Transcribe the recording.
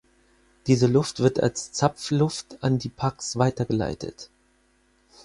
Diese Luft wird als Zapfluft an die Packs weitergeleitet.